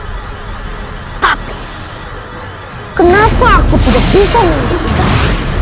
tapi kenapa aku tidak bisa mengembalikan